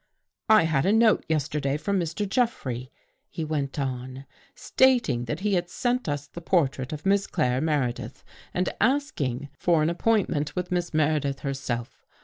" I had a note yesterday from Mr. Jeffrey," he went on, " stating that he had sent us the portrait of Miss Claire Meredith and asking for an appoint 182 DOCTOR CROW FORGETS ment with Miss Meredith herself.